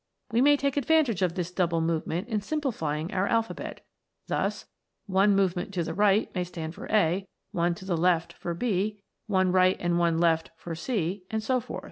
We may take advantage of this double movement in simplifying our alphabet ; thus, one movement to the right may stand for a ; one to the left for b ; one right and one left for c, and so forth.